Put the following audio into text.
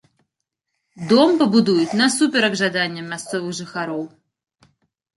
Дом пабудуюць насуперак жаданням мясцовых жыхароў.